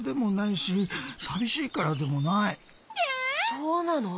そうなの！？